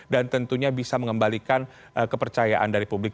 dan tentunya bisa mengembalikan kepercayaan dari publik